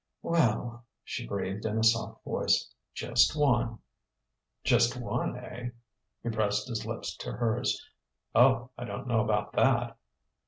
"Well," she breathed in a soft voice, "just one...." "Just one, eh?" He pressed his lips to hers. "Oh, I don't know about that!"